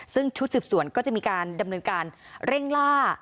ซึ่งชุดสืบสวนก็จะมีการดำเนินการเร่งล่า